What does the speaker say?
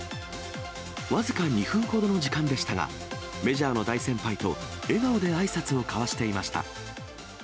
僅か２分ほどの時間でしたが、メジャーの大先輩と笑顔であいさつを交わしていました。